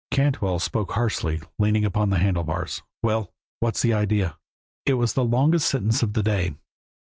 Cantwell spoke harshly, leaning upon the handle bars: "Well! What's the idea?" It was the longest sentence of the day.